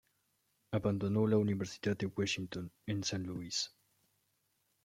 Abandonó la Universidad Washington en San Luis.